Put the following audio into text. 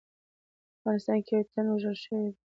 افغانستان کې یو تن وژل شوی دی